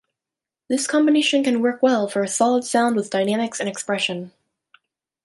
This combination can work well for a solid sound with dynamics and expression.